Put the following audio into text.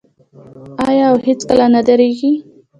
آیا او هیڅکله نه دریږي؟